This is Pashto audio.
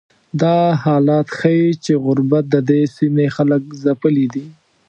دا حالت ښیي چې غربت ددې سیمې خلک ځپلي دي.